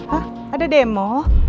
hah ada demo